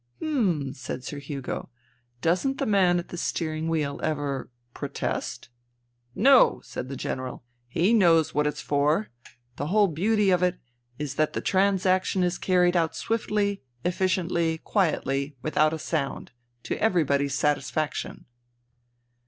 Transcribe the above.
" Hm," said Sir Hugo. " Doesn't the man at the steering wheel ever ... protest ?" "No," said the General. "He knows what it's for. The whole beauty of it is that the transaction is carried out swiftly, efficiently, quietly, without a sound ... to everybody's satisfaction."